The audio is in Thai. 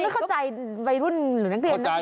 คุณไม่เข้าใจใบรุ่นหรือนักเรียนนั้น